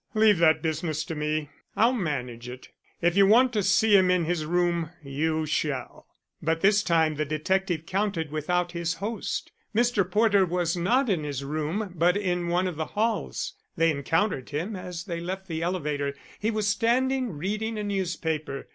"Leave that business to me; I'll manage it. If you want to see him in his room, you shall." But this time the detective counted without his host. Mr. Porter was not in his room but in one of the halls. They encountered him as they left the elevator. He was standing reading a newspaper.